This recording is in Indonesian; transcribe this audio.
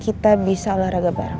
kita bisa olahraga bareng